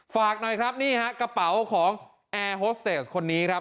ฝากหน่อยครับนี่ฮะกระเป๋าของแอร์โฮสเตสคนนี้ครับ